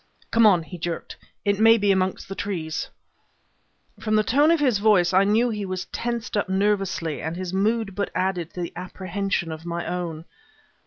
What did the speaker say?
"Come on," he jerked. "It may be amongst the trees." From the tone of his voice I knew that he was tensed up nervously, and his mood but added to the apprehension of my own.